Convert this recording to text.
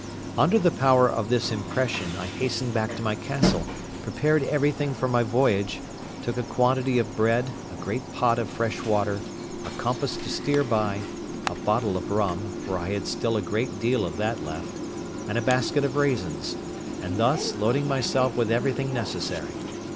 Under the power of this impression, I hastened back to my castle, prepared everything for my voyage, took a quantity of bread, a great pot of fresh water, a compass to steer by, a bottle of rum (for I had still a great deal of that left), and a basket of raisins; and thus, loading myself with everything necessary.